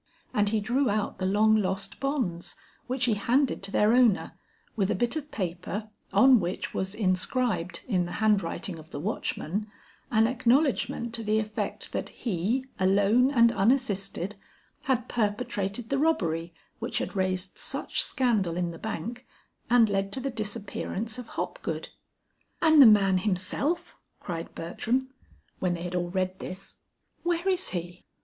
And he drew out the long lost bonds, which he handed to their owner, with a bit of paper on which was in scribed in the handwriting of the watchman, an acknowledgment to the effect that he, alone and unassisted, had perpetrated the robbery which had raised such scandal in the bank and led to the disappearance of Hopgood. "And the man himself?" cried Bertram, when they had all read this. "Where is he?"